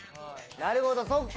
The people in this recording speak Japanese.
なるほどそっか。